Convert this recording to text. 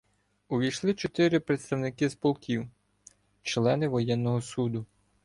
Увійшли чотири представники з полків — члени воєнного суду.